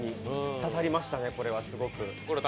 刺さりましたね、これは。